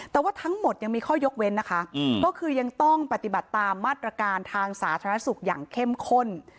แต่ว่าทั้งหมดยังมีข้อยกเว้นนะคะก็คือยังต้องปฏิบัติตามมาตรการทางสาธารณสุขอย่างเข้มข้น